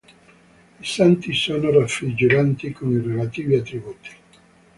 I santi sono raffiguranti con i relativi attributi.